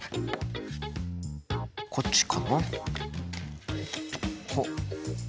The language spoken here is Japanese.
こっちかな？